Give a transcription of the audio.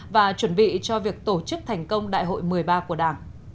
và chuẩn bị cho việc tổ chức thành công đại hội một mươi ba của đảng